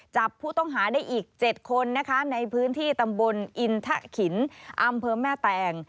จับผู้ต้องหาได้อีก๗คนนะคะในพื้นที่ตำบลอินทะขินอำเภอแม่แตง